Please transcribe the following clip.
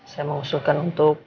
saya mengusulkan untuk